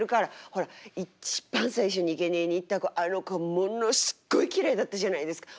ほら一番最初にいけにえに行った子あの子はものすごいきれいだったじゃないですか。